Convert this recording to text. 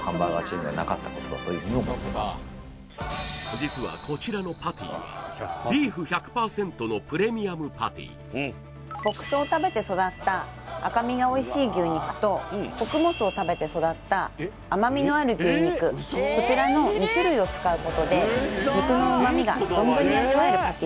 実はこちらのパティはビーフ１００％のプレミアムパティ牧草を食べて育った赤身がおいしい牛肉と穀物を食べて育った甘味のある牛肉こちらの２種類を使うことでになってます